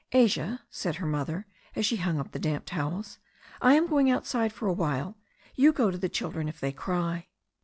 "Asia," said her mother, as she hung up the damp towels, 'T am going outside for a while. You go to the children if they cry."